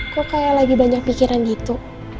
kok kayak lagi banyak pikiran gitu